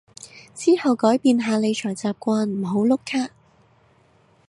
之後改變下理財習慣唔好碌卡